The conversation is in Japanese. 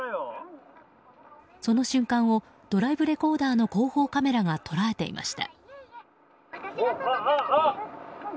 その瞬間をドライブレコーダーの後方カメラが捉えていました。